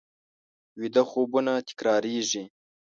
ویده خوبونه تکرارېږي